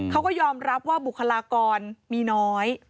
เขาก็ยอมรับว่าบุคลากรมีน้อย